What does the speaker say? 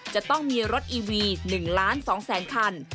จะต้องมีรถอีวี๑ล้าน๒แสนคัน